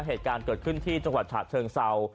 เหตุการณ์เกิดขึ้นที่จังหวัดฉะเชิงเศร้า